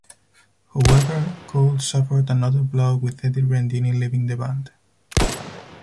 However, Cold suffered another blow with Eddie Rendini leaving the band.